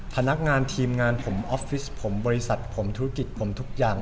พนักงานทีมงานผมออฟฟิศผมบริษัทผมธุรกิจผมทุกอย่าง